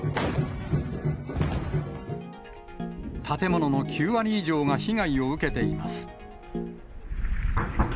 建物の９割以上が被害を受けています。